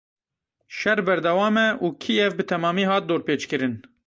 Şer berdewam e û Kîev bi temamî hat dorpêçkirin.